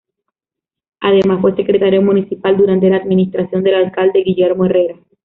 Además fue Secretario Municipal durante la administración del Alcalde Guillermo Herrera.